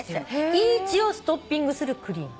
「ｉｔｃｈ」をストッピングするクリーム。